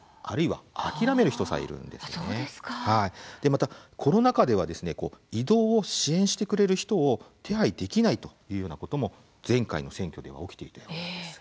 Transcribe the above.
またコロナ禍では移動を支援してくれる人を手配できないというようなことも前回の選挙では起きていたようです。